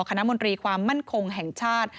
คณะมนตรีความมั่นคงแห่งชาติ